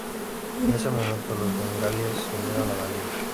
En ese momento, los bengalíes se unieron a la liga.